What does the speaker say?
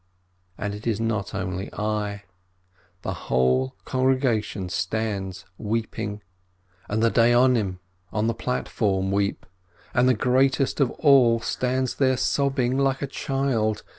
And it is not only I — the whole congregation stands weeping, and the Dayonim on the platform weep, and the great est of all stands there sobbing like a child.